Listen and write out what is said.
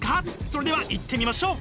それではいってみましょう！